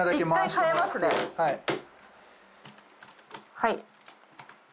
はい。